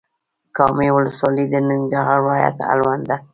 کامې ولسوالۍ د ننګرهار ولايت اړوند ده.